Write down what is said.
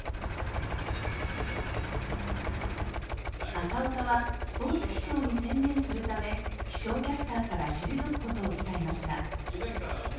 朝岡はスポーツ気象に専念するため気象キャスターから退くことを伝えました。